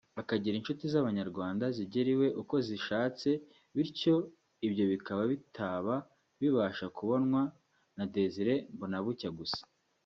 akagira inshuti z’abanyarwanda zigera iwe uko zishatse bityo ibyo bikaba bitaba bibasha kubonwa na Désiré Mbonabucya gusa